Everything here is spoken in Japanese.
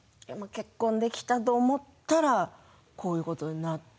結婚できたと思ったらこういうことになって。